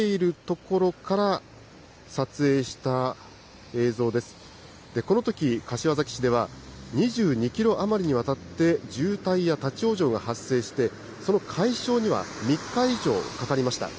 このとき、柏崎市では２２キロ余りにわたって渋滞や立往生が発生して、その解消には３日以上かかりました。